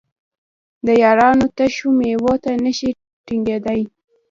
د یارانو تشو مینو ته نشي ټینګېدای.